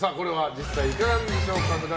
実際いかがでしょうか。